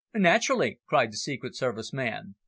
"Naturally," cried the Secret Service man.